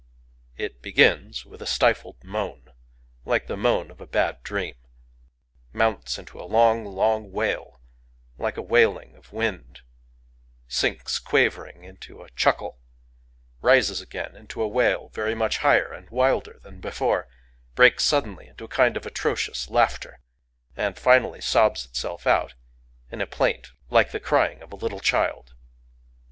It begins with a stifled moan, like the moan of a bad dream,—mounts into a long, long wail, like a wailing of wind,—sinks quavering into a chuckle,—rises again to a wail, very much higher and wilder than before,—breaks suddenly into a kind of atrocious laughter,—and finally sobs itself out in a plaint like the crying of a little child.